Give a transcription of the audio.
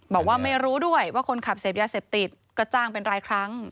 บอกว่าไม่รู้ด้วยว่าคนขับเสพยาเสพติดก็จ้างเป็นรายครั้ง